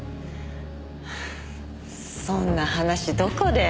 そんな話どこで。